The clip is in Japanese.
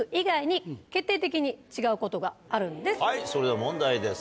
それでは問題です